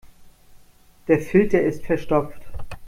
Der Filter ist verstopft.